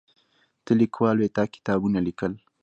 ته لیکوال وې تا کتابونه لیکل.